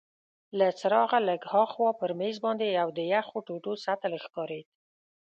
له څراغه لږ هاخوا پر مېز باندي یو د یخو ټوټو سطل ښکارید.